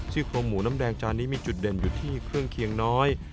โครงหมูน้ำแดงจานนี้มีจุดเด่นอยู่ที่เครื่องเคียงน้อย